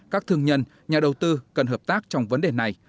các thương nhân nhà đầu tư cần hợp tác trong vấn đề này